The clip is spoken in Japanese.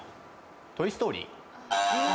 『トイ・ストーリー』